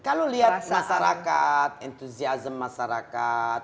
kalau lihat masyarakat entusiasme masyarakat